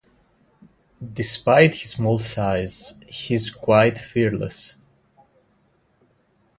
Despite his small size, he is quite fearless.